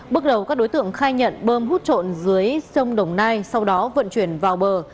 bước đầu các đối tượng khai nhận bơm hút trộn dưới sông đồng nai sau đó vận chuyển vào bờ